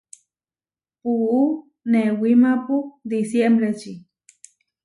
Puú newímapu disiémbreči.